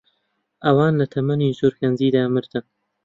ئەوان لە تەمەنی زۆر گەنجیدا مردن.